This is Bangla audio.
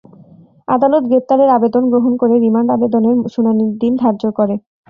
আদালত গ্রেপ্তারের আবেদন গ্রহণ করে রিমান্ড আবেদনের শুনানির দিন ধার্য করেন।